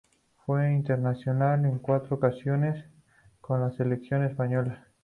Fue internacional en cuatro ocasiones con la selección española.